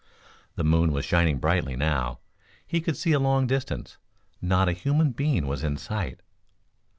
The moon was shining brightly now. He could see a long distance. Not a human being was in sight.